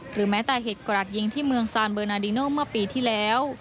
แม้แต่เหตุกราดยิงที่เมืองซานเบอร์นาดิโนเมื่อปีที่แล้ว